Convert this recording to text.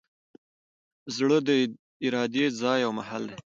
زړه د ارادې ځای او محل دﺉ.